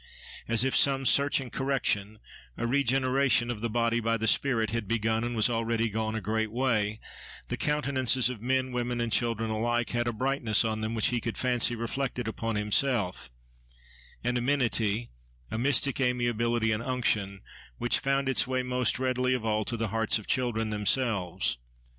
As if some searching correction, a regeneration of the body by the spirit, had begun, and was already gone a great way, the countenances of men, women, and children alike had a brightness on them which he could fancy reflected upon himself—an amenity, a mystic amiability and unction, which found its way most readily of all to the hearts of children themselves.